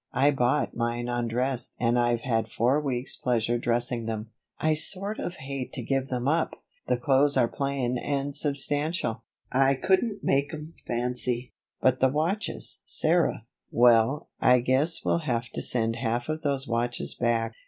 I bought mine undressed and I've had four weeks' pleasure dressing them I sort of hate to give them up. The clothes are plain and substantial; I couldn't make 'em fancy." "But the watches, Sarah?" "Well, I guess we'll have to send half of those watches back.